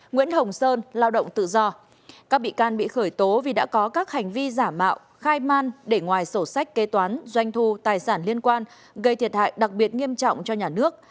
nguyễn hồng sơn lao động tự do các bị can bị khởi tố vì đã có các hành vi giả mạo khai man để ngoài sổ sách kế toán doanh thu tài sản liên quan gây thiệt hại đặc biệt nghiêm trọng cho nhà nước